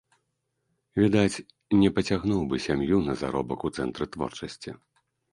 Відаць, не пацягнуў бы сям'ю на заробак у цэнтры творчасці.